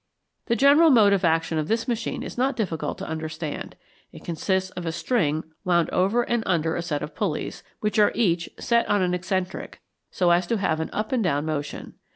The general mode of action of this machine is not difficult to understand. It consists of a string wound over and under a set of pulleys, which are each set on an excentric, so as to have an up and down motion.